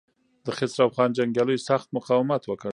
د خسرو خان جنګياليو سخت مقاومت وکړ.